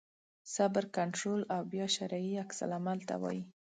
صبر کنټرول او بیا شرعي عکس العمل ته وایي.